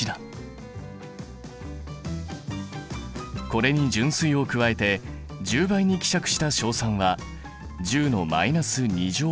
これに純水を加えて１０倍に希釈した硝酸は１０ｍｏｌ／Ｌ。